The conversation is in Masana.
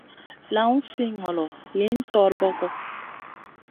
Lawn si ŋolo, lihn torbogo.